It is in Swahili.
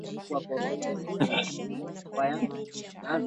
Linatokana na Obhwato mtumbwi akauliza nokumanya obhwato yaani Unajua mtumbwi